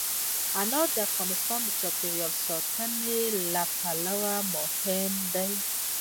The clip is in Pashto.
انار د افغانستان د چاپیریال ساتنې لپاره مهم دي.